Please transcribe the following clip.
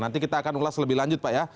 nanti kita akan ulas lebih lanjut pak ya